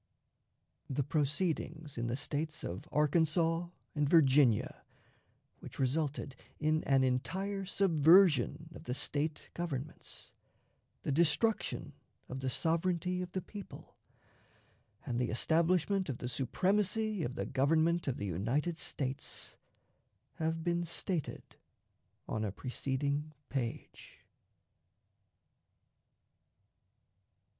The proceedings in the States of Arkansas and Virginia, which resulted in an entire subversion of the State Governments, the destruction of the sovereignty of the people, and the establishment of the supremacy of the Government of the United States, have been stated on a preceding page.